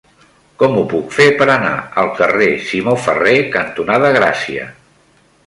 Com ho puc fer per anar al carrer Simó Ferrer cantonada Gràcia?